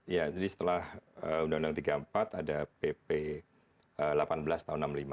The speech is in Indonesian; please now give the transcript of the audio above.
iya jadi setelah undang undang tiga puluh empat ada pp delapan belas tahun enam puluh lima